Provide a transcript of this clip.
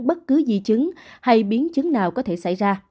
bất cứ di chứng hay biến chứng nào có thể xảy ra